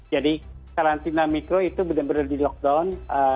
jadi karantina mikro itu benar benar di lockdown